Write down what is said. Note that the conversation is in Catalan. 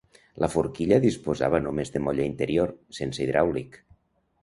La forquilla disposava només de molla interior, sense hidràulic.